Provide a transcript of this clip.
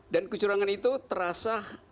dan kecurangan itu terasa